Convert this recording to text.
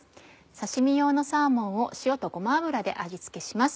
刺身用のサーモンを塩とごま油で味付けします。